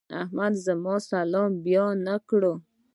احمد زما سلام بيا نه کړ.